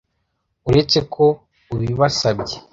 uretse ko ubibasabye